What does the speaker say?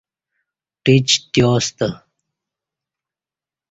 ٹیچ تیاستہ